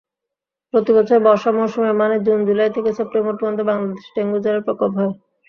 প্রতিবছর বর্ষা মৌসুমে, মানে জুন-জুলাই থেকে সেপ্টেম্বর পর্যন্ত, বাংলাদেশে ডেঙ্গুজ্বরের প্রকোপ হয়।